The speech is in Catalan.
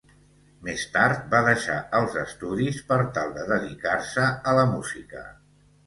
Més tard va deixar els estudis per tal de dedicar-se a la música.